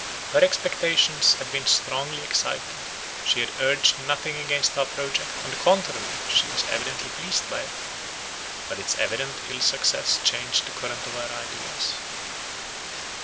Her expectations had been strongly excited; she had urged nothing against our project, on the contrary, she was evidently pleased by it; but its evident ill success changed the current of her ideas.